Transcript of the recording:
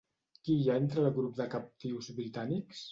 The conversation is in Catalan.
Qui hi ha entre el grup de captius britànics?